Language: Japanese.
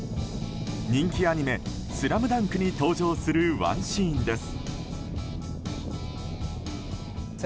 人気アニメ「ＳＬＡＭＤＵＮＫ」に登場するワンシーンです。